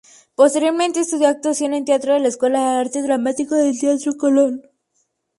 Posteriormente estudió actuación de teatro en la Escuela de Arte Dramático del Teatro Colón.